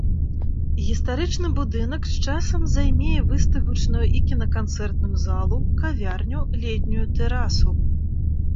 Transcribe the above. Гістарычны будынак з часам займее выставачную і кінаканцэртную залу, кавярню, летнюю тэрасу.